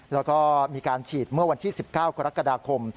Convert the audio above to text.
แล้วก็มีการฉีดเมื่อวันที่๑๙กรกฎาคม